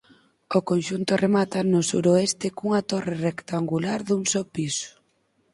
O conxunto remata no suroeste cunha torre rectangular dun só piso.